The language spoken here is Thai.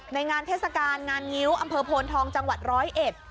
ในงานเทศกาลงานงิ้วอำเภอโพนทองจังหวัดร้อยเอ็ด